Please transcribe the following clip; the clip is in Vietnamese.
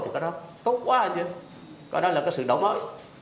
thì có đó tốt quá có đó là sự đấu mối